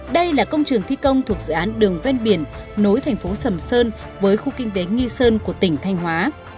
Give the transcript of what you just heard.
đây là công trường thi công thuộc dự án đường ven biển nối thành phố sầm sơn với khu kinh tế nghi sơn của tỉnh thanh hóa